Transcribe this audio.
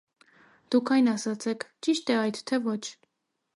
- Դուք այն ասացեք, ճի՞շտ է այդ թե ոչ: